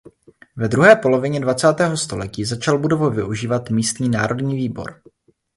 Ve druhé polovině dvacátého století začal budovu využívat místní národní výbor.